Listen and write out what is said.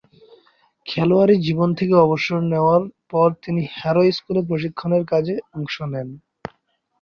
খেলোয়াড়ী জীবন থেকে অবসর নেয়ার পর তিনি হ্যারো স্কুলে প্রশিক্ষণের কাজে অংশ নেন।